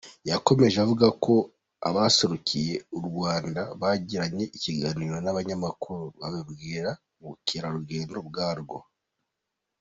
Yakomeje avuga ko abaserukiye u Rwanda bagiranye ikiganiro n’abanyamakuru, bababwira ubukerarugendo bwarwo.